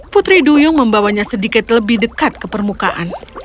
putri duyung membawanya sedikit lebih dekat ke permukaan